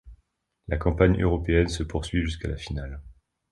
La campagne européenne se poursuit jusqu'à la finale.